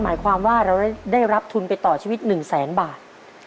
หมายความว่าเราได้รับทุนไปต่อชีวิต๑แสนบาท